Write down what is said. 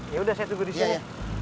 yaudah saya tunggu di sini